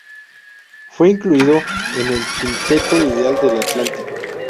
Fue incluido en el quinteto ideal del Atlantic.